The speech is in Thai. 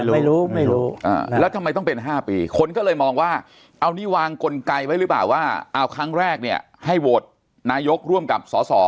ไม่รู้ไม่รู้แล้วทำไมต้องเป็น๕ปีคนก็เลยมองว่าเอานี่วางกลไกไว้หรือเปล่าว่าเอาครั้งแรกเนี่ยให้โหวตนายกร่วมกับสอสอ